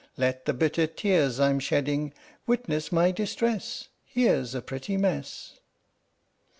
Let the bitter tears I'm shedding Witness my distress. Here 's a pretty mess